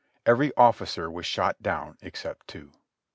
Every ofiicer was sliot down except two.